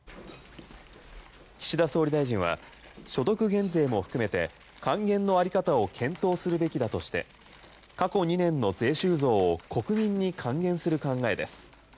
岸田総理大臣は所得減税も含めて還元のあり方を検討するべきだとして過去２年の税収増を国民に還元する考えです。